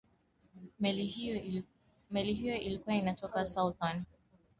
meli hiyo ilikuwa inatoka southampton uingereza kwenda new york